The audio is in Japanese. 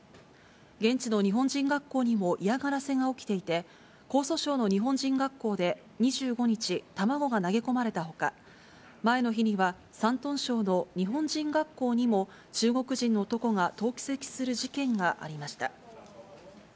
現地の日本人学校にも嫌がらせが起きていて、江蘇省の日本人学校で２５日、卵が投げ込まれたほか、前の日には山東省の日本人学校にも、中国人の男が投石する事件がありました。